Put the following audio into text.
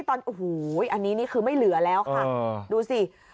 ตอนโอ้โหอันนี้นี่คือไม่เหลือแล้วค่ะดูสิ